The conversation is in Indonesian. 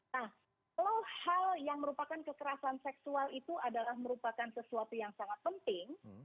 nah kalau hal yang merupakan kekerasan seksual itu adalah merupakan sesuatu yang sangat penting